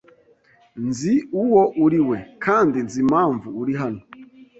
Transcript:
Nzi uwo uriwe, kandi nzi impamvu uri hano